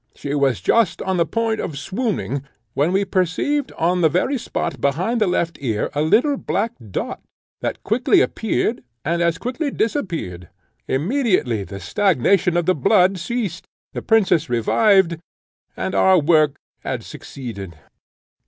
She was just on the point of swooning, when we perceived on the very spot behind the left ear a little black dot, that quickly appeared and as quickly disappeared. Immediately the stagnation of the blood ceased, the princess revived, and our work had succeeded.